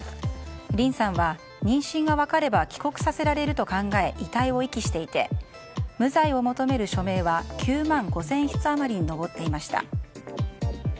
リンさんは、妊娠が分かれば帰国させられると考え遺体を遺棄していて無罪を求める署名は９万５０００筆余りに上っていました。